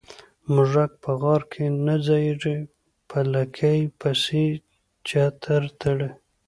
ـ موږک په غار کې نه ځايږي، په لکۍ پسې چتر تړي.